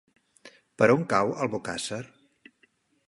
Per on cau Albocàsser?